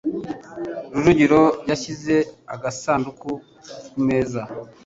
Rujigiro yashyize agasanduku kumeza.